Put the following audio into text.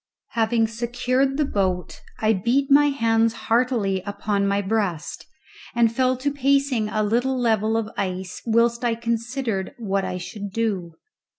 Having secured the boat I beat my hands heartily upon my breast, and fell to pacing a little level of ice whilst I considered what I should do.